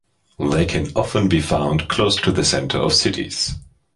They can often be found close to the centre of cities.